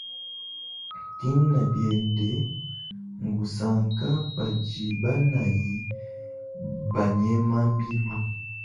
Tina biende ngusanka padi banayi banyema lubilu.